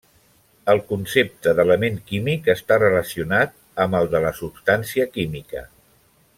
El concepte d'element químic està relacionat amb el de la substància química.